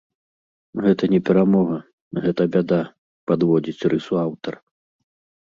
Гэта не перамога, гэта бяда, падводзіць рысу аўтар.